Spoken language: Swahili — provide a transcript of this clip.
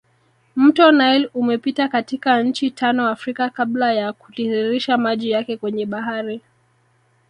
Mto nile umepita katika nchi tano Afrika kabla ya kutiririsha maji yake kwenye bahari